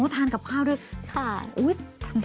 ทานกับข้าวด้วย